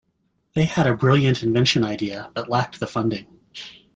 They had a brilliant invention idea but lacked the funding.